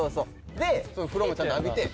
で風呂もちゃんと浴びて。